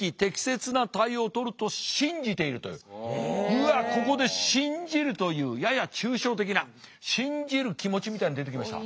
うわっここで信じるというやや抽象的な信じる気持ちみたいの出てきました。